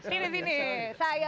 itu kayaknya seru tuh